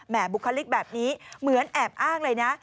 แหมบูคลิปแบบนี้เหมือนอาบอ้างเลยนะ